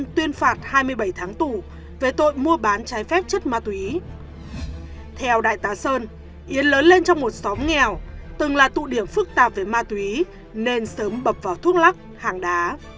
tại đà sơn yến lớn lên trong một xóm nghèo từng là tụ điểm phức tạp với ma túy nên sớm bập vào thuốc lắc hàng đá